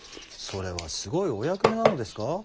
それはすごいお役目なのですか？